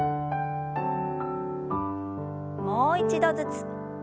もう一度ずつ。